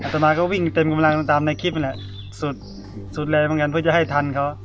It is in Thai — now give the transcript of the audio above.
อัตภัยก็วิ่งเต็มกำลังตามสุดแรงเยอะมาก้าวเพื่อจะให้ทันเค้า